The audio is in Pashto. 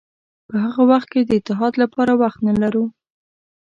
په هغه وخت کې د اتحاد لپاره وخت نه لرو.